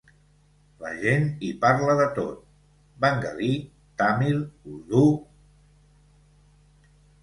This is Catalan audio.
La gent hi parla de tot: bengalí, tàmil, urdú...